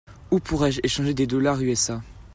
Où pourrais-je échanger des dollars USA .